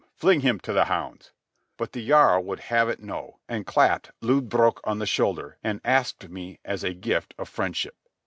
Fling him to the hounds!" But the jarl would have it no, and clapped Lodbrog on the shoulder, and asked me as a gift of friendship.